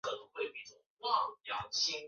看起来是超级适合合作的东西